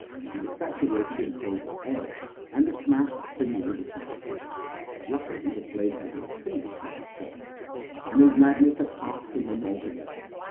He was saturated in colza oil, and the smashed tin lay beside him, but luckily the flame had been extinguished by his fall. And his madness had passed from him altogether.